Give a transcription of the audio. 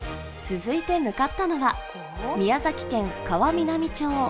続いて向かったのは宮崎県川南町。